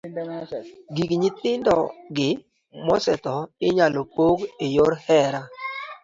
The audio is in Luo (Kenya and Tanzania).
Gik nyithindgi mosetho inyalo pog e yor hera.